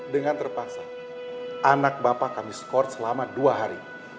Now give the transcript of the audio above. dengan terpaksa anak bapak kami skor selama dua hari